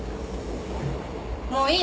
もういい！